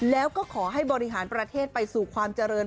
แล้วก็ขอให้บริหารประเทศไปสู่ความเจริญ